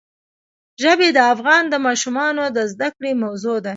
ژبې د افغان ماشومانو د زده کړې موضوع ده.